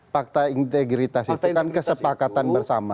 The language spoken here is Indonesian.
fakta integritas itu kan kesepakatan bersama